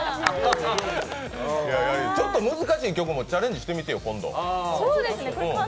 ちょっと難しい曲もチャレンジしてみてよ、今度。